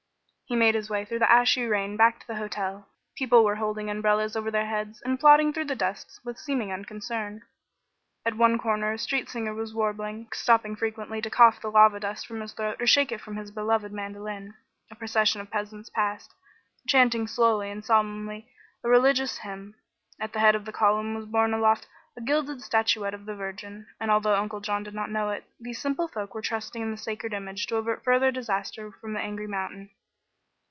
He made his way through the ashy rain back to the hotel. People were holding umbrellas over their heads and plodding through the dust with seeming unconcern. At one corner a street singer was warbling, stopping frequently to cough the lava dust from his throat or shake it from his beloved mandolin. A procession of peasants passed, chanting slowly and solemnly a religious hymn. At the head of the column was borne aloft a gilded statuette of the Virgin, and although Uncle John did not know it, these simple folks were trusting in the sacred image to avert further disaster from the angry mountain.